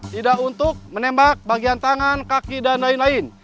tidak untuk menembak bagian tangan kaki dan lain lain